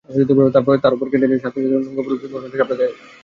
তার ওপর ক্যানটিনের স্যাঁতসেঁতে নোংরা পরিবেশ ক্ষণে ক্ষণে ঝাপটা দেয় নাকে।